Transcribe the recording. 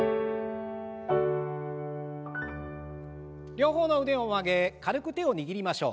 両方の腕を上げ軽く手を握りましょう。